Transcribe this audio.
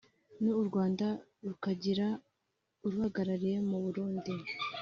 n’ u Rwanda rukagira uruhagarariye mu Burundi